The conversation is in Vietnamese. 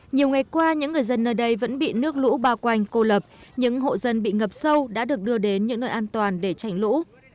nhiều ngày qua những người dân nơi đây vẫn bị nước lũ bao quanh cô lập những hộ dân bị ngập sâu đã được đưa đến những nơi an toàn để tránh lũ